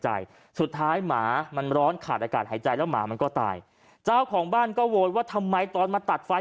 ใจสุดท้ายหมามันร้อนขาดอากาศหายใจแล้วหมามันก็ตายเจ้าของบ้านก็โวยว่าทำไมตอนมาตัดไฟ